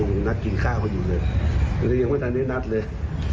ยังไม่นัดกินข้าวหรืองั้นเรียกว่าทางนี้นัดเลย